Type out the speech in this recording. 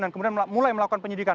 dan kemudian mulai melakukan penyidikan